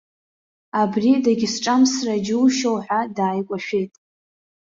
Абри дагьысҿамсра џьушьо ҳәа дааикәашәеит.